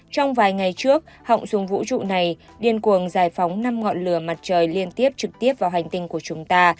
trong vài ngày trước họng dùng vũ trụ này điên cuồng giải phóng năm ngọn lửa mặt trời liên tiếp trực tiếp vào hành tinh của chúng ta